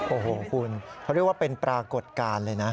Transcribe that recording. โอ้โหคุณเขาเรียกว่าเป็นปรากฏการณ์เลยนะ